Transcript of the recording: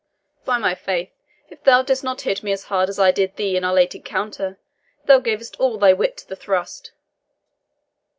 By my faith, if thou didst not hit me as hard as I did thee in our late encounter! thou gavest all thy wit to the thrust.